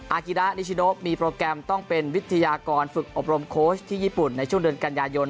อากิดะนิชิโนมีโปรแกรมต้องเป็นวิทยากรฝึกอบรมโค้ชที่ญี่ปุ่นในช่วงเดือนกันยายน